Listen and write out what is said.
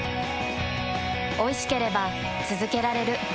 おいしければつづけられる。